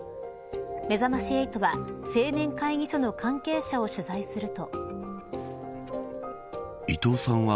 めざまし８は、青年会議所の関係者を取材すると。